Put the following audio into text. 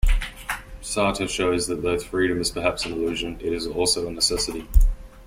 Sartre shows that though freedom is perhaps an illusion, it is also a necessity.